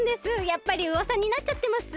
やっぱりうわさになっちゃってます？